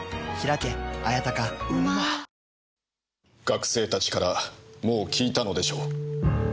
学生たちからもう聞いたのでしょう？